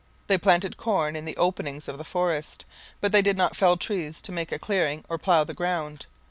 They planted corn in the openings of the forest, but they did not fell trees to make a clearing or plough the ground.